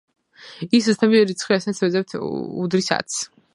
ის უცნობი რიცხვი რასაც ვეძებდით, უდრის ათს.